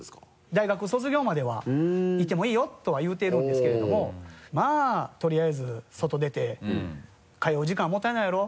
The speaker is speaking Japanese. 大学卒業まではいてもいいよとは言うてるんですけれどもまぁとりあえず外出て「通う時間もったいないやろ？